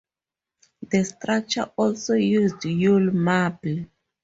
The structure also used Yule marble.